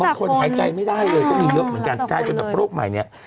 บางคนหายใจไม่ได้เลยก็มีเรื่องเหมือนกันใจจากโรคใหม่นี้